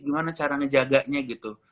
gimana cara ngejaganya gitu